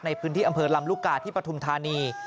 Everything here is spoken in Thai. ในพื้นที่อำเภอลำลูกกาที่ปฐุมธานี